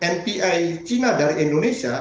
npi cina dari indonesia